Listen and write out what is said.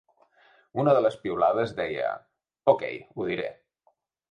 Una de les piulades deia: Ok, ho diré.